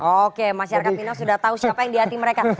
oke masyarakat minang sudah tahu siapa yang di hati mereka